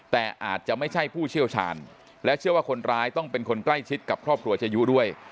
แต่อาจจะไม่ใช่ผู้เชี่ยวชาญและเชื่อว่าคนร้ายต้องเป็นคนใกล้ชิดกับครอบครัวชะยุด้วย